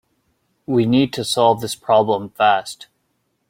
We need to solve this problem fast.